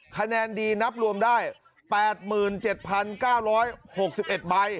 คะแนนดีนับรวมได้๘๗๙๖๑ใบ